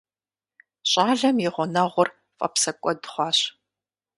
ЩӀалэм и гъунэгъур фӀэпсэкӀуэд хъуащ.